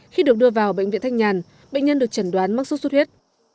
khi được đưa vào bệnh viện thanh nhàn bệnh nhân được chẩn đoán mắc xuất xuất huyết